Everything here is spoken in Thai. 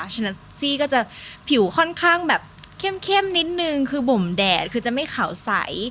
ฉะนั้นซี่ก็จะผิวค่อนข้างแบบเข้มนิดนึงคือบ่มแดดคือจะไม่ขาวใส